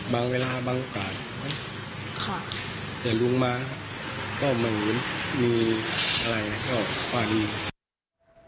บางเวลาบางโอกาสค่ะเห็นลุงมาก็เหมือนมีอะไรก็ความดี